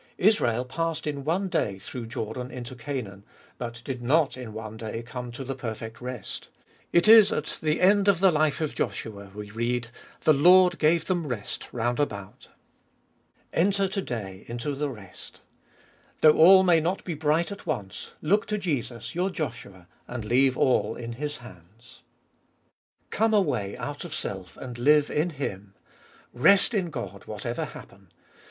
Israel passed in one day through Jordan into Canaan, but did not in one day come to the perfect rest. It is at the end of the life of Joshua we read, " The Lord gave them rest round about." Enter to day into the rest. Though all may not be bright at once, look to Jesus, your Joshua, and leave all in His hands. Come away out of self, and live in Him. REST IN GOD whatever happen.